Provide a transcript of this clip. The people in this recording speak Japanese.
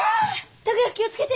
拓也気を付けて。